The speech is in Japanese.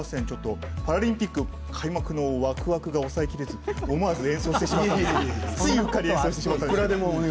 パラリンピック開幕のワクワクが抑えきれず、思わずついうっかり演奏してしまいました。